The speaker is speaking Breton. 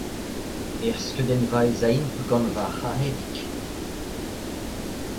Er skeudennva ez aimp gant va c'haredig.